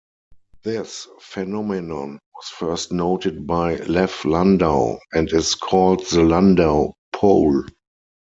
This phenomenon was first noted by Lev Landau, and is called the Landau pole.